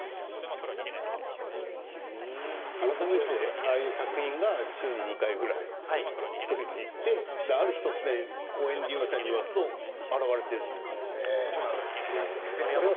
ああいう作品が週に２回ぐらい作りに行ってある日、突然公園利用者に言わせると現れている感じで。